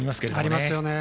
ありますよね。